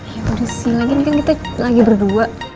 ya udah sih ini kan kita lagi berdua